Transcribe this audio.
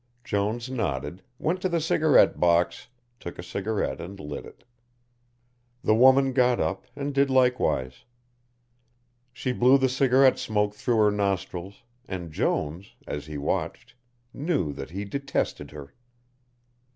Jones nodded, went to the cigarette box, took a cigarette and lit it. The woman got up and did likewise. She blew the cigarette smoke through her nostrils, and Jones, as he watched, knew that he detested her.